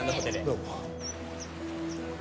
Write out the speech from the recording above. どうも。